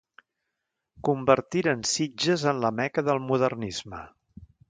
Convertiren Sitges en la Meca del Modernisme.